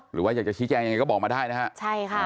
หรือว่าอยากจะชี้แจงยังไงก็บอกมาได้นะฮะใช่ค่ะ